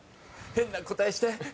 変な答えして！